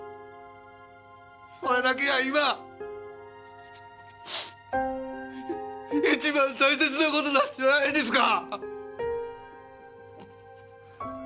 それだけが今一番大切な事なんじゃないですか！